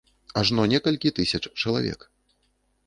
Ажно некалькі тысяч чалавек.